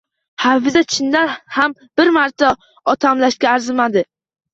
Hafiza chindan ham bir marta otamlashga arzimadi